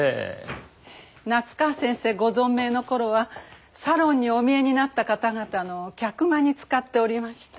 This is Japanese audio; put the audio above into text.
夏河先生ご存命の頃はサロンにお見えになった方々の客間に使っておりました。